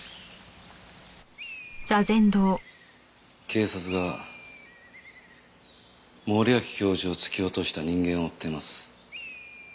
警察が森脇教授を突き落とした人間を追っています。